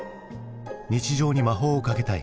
日常に魔法をかけたい。